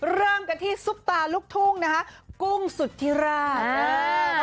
เริ่มกันที่ซุปตาลูกทุ่งนะคะกุ้งสุธิราช